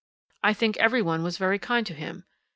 I think every one was very kind to him.